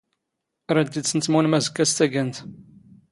ⵔⴰⴷ ⴷⵉⴷⵙⵏ ⵜⵎⵓⵏⵎ ⴰⵣⴽⴽⴰ ⵙ ⵜⴰⴳⴰⵏⵜ.